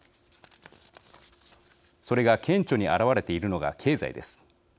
それが顕著に表れているのが経済です。